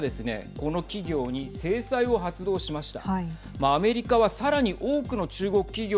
この企業に制裁を発動しました。